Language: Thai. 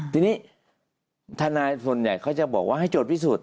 ทีนี้ทนายส่วนใหญ่เขาจะบอกว่าให้โจทย์พิสูจน